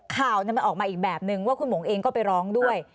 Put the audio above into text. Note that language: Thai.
ข่าวมันออกมาอีกแบบนึงว่าคุณหงเองก็ไปร้องด้วย